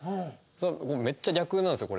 めっちゃ逆なんですよこれ。